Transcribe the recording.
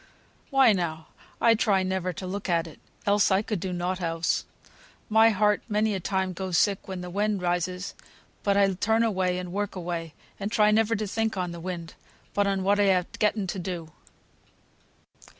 Why now, I try never to look at it, else I could do nought else. My heart many a time goes sick when the wind rises, but I turn away and work away, and try never to think on the wind, but on what I ha' getten to do."